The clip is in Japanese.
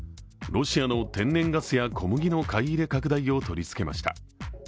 ロシアの天然ガスや小麦の買い入れ拡大を取りつけました。